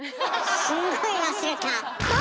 すんごい忘れた。